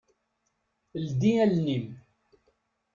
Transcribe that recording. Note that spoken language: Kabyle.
Ldi allen-im.